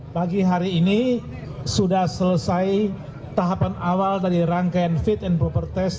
pagi hari ini sudah selesai tahapan awal dari rangkaian fit and proper test